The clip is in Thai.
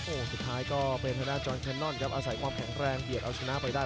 โอ้สุดท้ายก็เพลงทนาจญาตง์จอนแคนนอนอาศัยความแข็งแรงเกียรติเอาชนะไปได้